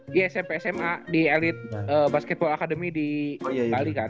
di smp sma di elit basketball academy di bali kan